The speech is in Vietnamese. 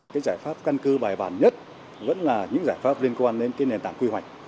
cái giải pháp căn cơ bài bản nhất vẫn là những giải pháp liên quan đến cái nền tảng quy hoạch